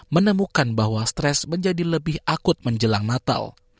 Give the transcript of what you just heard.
menemukan bahwa stres menjadi lebih akut menjelang natal